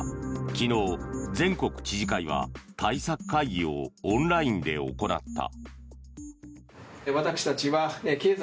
昨日、全国知事会は対策会議をオンラインで行った。